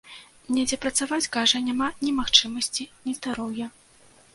Недзе працаваць, кажа, няма ні магчымасці, ні здароўя.